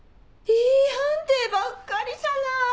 Ｅ判定ばっかりじゃない！